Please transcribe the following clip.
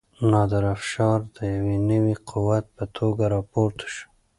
نادر افشار د یو نوي قوت په توګه راپورته شو.